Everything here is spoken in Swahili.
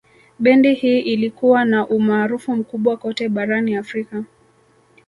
Bendi hii ilikuwa na umaarufu mkubwa kote barani Afrika